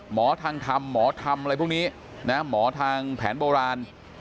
หมอทางธรรมหมอทำอะไรพวกนี้นะหมอทางแผนโบราณ